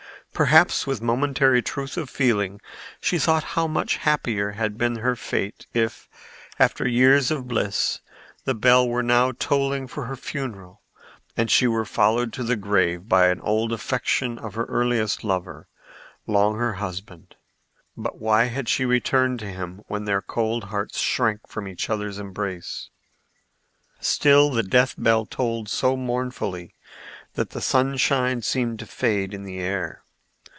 Perhaps, with momentary truth of feeling, she thought how much happier had been her fate if, after years of bliss, the bell were now tolling for her funeral and she were followed to the grave by the old affection of her earliest lover, long her husband. But why had she returned to him when their cold hearts shrank from each other's embrace? Still the death bell tolled so mournfully that the sunshine seemed to fade in the air.